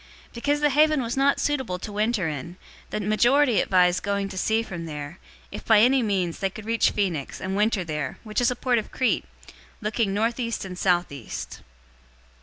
027:012 Because the haven was not suitable to winter in, the majority advised going to sea from there, if by any means they could reach Phoenix, and winter there, which is a port of Crete, looking northeast and southeast.